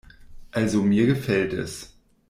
Also mir gefällt es.